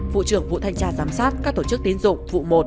vụ trưởng vụ thanh tra giám sát các tổ chức tiến dụng vụ một